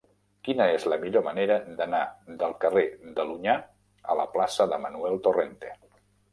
Quina és la millor manera d'anar del carrer de l'Onyar a la plaça de Manuel Torrente?